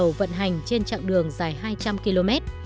đoàn tàu vận hành trên chặng đường dài hai trăm linh km